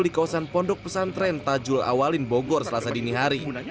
di kawasan pondok pesantren tajul awalin bogor selasa dini hari